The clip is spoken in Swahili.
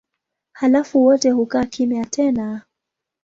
Halafu wote hukaa kimya tena.